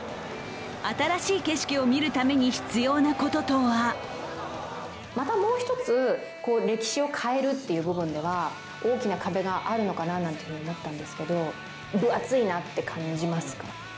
新しい景色を見るために必要なこととはまたもう一つ歴史を変えるという部分では大きな壁があるのかななんて思ったんですけど、分厚いなって感じますか？